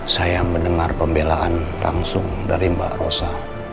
saya mendengar pembelaan langsung dari mbak rosa